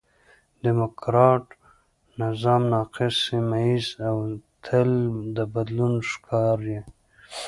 ډيموکراټ نظام ناقص، سمیه ييز او تل د بدلون ښکار یي.